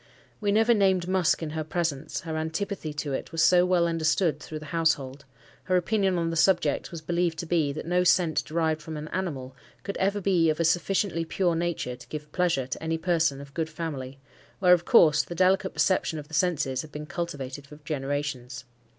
We never named musk in her presence, her antipathy to it was so well understood through the household: her opinion on the subject was believed to be, that no scent derived from an animal could ever be of a sufficiently pure nature to give pleasure to any person of good family, where, of course, the delicate perception of the senses had been cultivated for generations.